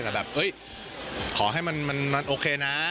แต่แบบขอให้มันโอเคนะ